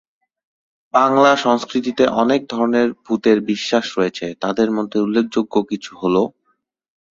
বাংলা সংস্কৃতিতে অনেক ধরনের ভূতের বিশ্বাস রয়েছে; তাদের মধ্যে উল্লেখযোগ্য কিছু হলো,